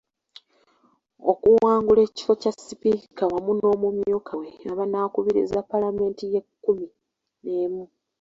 Okuwangula ekifo kya Sipiika wamu n’omumyuka we abanaakubiriza Paalamenti y’ekkumi n'emu.